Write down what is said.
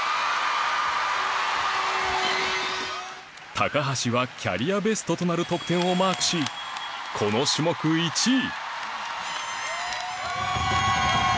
高橋はキャリアベストとなる得点をマークしこの種目１位